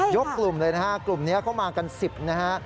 กลุ่มเลยนะฮะกลุ่มนี้เข้ามากัน๑๐นะฮะ